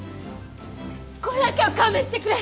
これだけは勘弁してくれ！